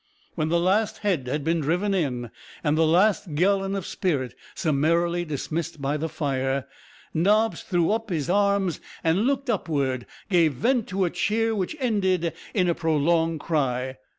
When the last head had been driven in, and the last gallon of spirit summarily dismissed by the fire, Nobbs threw up his arms, and, looking upward, gave vent to a cheer which ended in a prolonged cry.